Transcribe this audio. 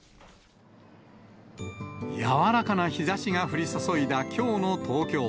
柔らかな日ざしが降り注いだきょうの東京。